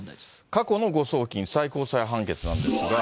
過去の誤送金、最高裁判決なんですが。